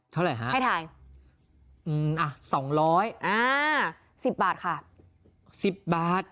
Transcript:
เท่าไหร่ฮะให้ถ่ายอืมอ่ะสองร้อยอ่าสิบบาทค่ะสิบบาท